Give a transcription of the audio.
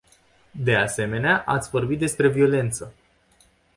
De asemenea, ați vorbit despre violență.